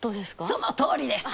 そのとおりです！